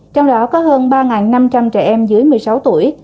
trong đó có hơn ba năm trăm linh trẻ em dưới một mươi sáu tuổi